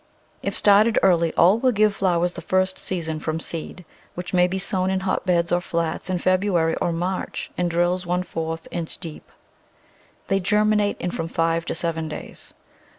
If started early all will give flowers the first season from seed, which may be sown in hotbeds or flats in Feb ruary or March in drills one fourth inch deep. They germinate in from five to seven days.